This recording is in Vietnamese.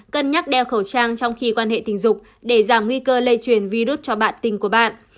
cân nhắc đeo khẩu trang trong khi quan hệ tình dục để giảm nguy cơ lây truyền virus cho bạn tình của bạn